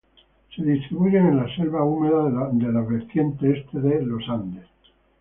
Se distribuyen en las selvas húmedas de la vertiente Este de Los Andes.